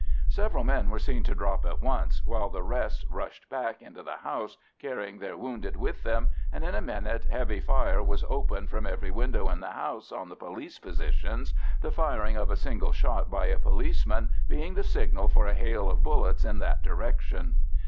Several men were seen to drop at once, while the rest rushed back into the house, carrying their wounded with them, and in a minute heavy fire was opened from every window in the house on the police positions, the firing of a single shot by a policeman being the signal for a hail of bullets in that direction.